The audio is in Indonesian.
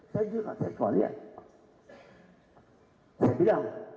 saya juga saya kemari